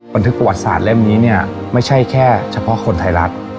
บันทึกประวัติศาสตร์เล่มนี้เนี่ยไม่ใช่แค่เฉพาะคนไทยรัฐ